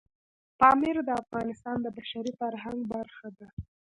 پامیر د افغانستان د بشري فرهنګ برخه ده.